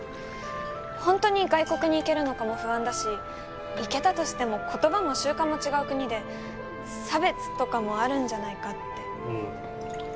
ほんとに外国に行けるのかも不安だし行けたとしても言葉も習慣も違う国で差別とかもあるんじゃないかってうん